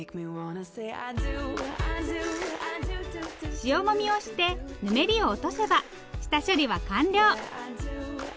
塩もみをしてぬめりを落とせば下処理は完了。